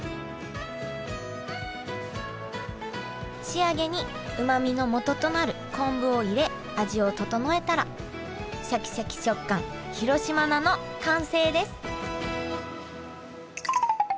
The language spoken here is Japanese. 仕上げにうまみのもととなる昆布を入れ味を調えたらシャキシャキ食感広島菜の完成です